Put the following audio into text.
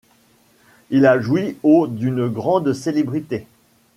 Il a joui au d’une grande célébrité.